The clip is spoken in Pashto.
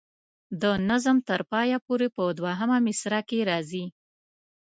د نظم تر پایه پورې په دوهمه مصره کې راځي.